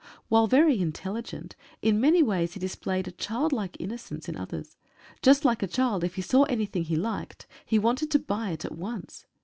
While very intelligent in many ways he displayed a childlike innocence in others. Just like a child, if he saw anything he liked he wanted to buy it at once.